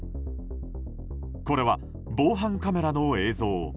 これは防犯カメラの映像。